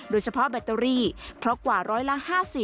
แบตเตอรี่เพราะกว่าร้อยละ๕๐